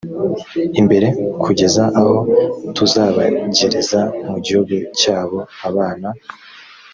imbere kugeza aho tuzabagereza mu gihugu cyabo abana